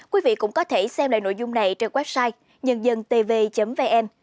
quý vị cũng có thể xem lại nội dung này trên website nhân dân tv vn